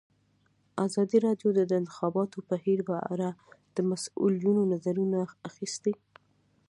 ازادي راډیو د د انتخاباتو بهیر په اړه د مسؤلینو نظرونه اخیستي.